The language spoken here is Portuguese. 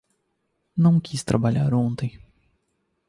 Não quis trabalhar ontem.